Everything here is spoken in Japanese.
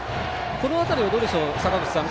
この辺りはどうでしょう坂口さん